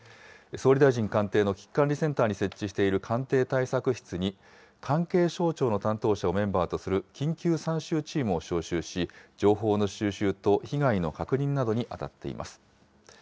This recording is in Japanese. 総理大臣官邸の危機管理センターに設置している官邸対策室に、関係省庁の担当者をメンバーとする緊急参集チームを招集し、情報の収集と被害の確認などに当たっています。